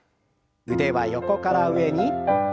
腕は横から上に。